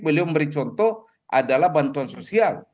beliau memberi contoh adalah bantuan sosial